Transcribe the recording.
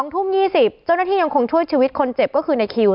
๒ทุ่ม๒๐เจ้าหน้าที่ยังคงช่วยชีวิตคนเจ็บก็คือในคิว